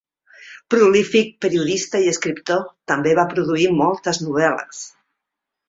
Prolífic periodista i escriptor, també va produir moltes novel·les.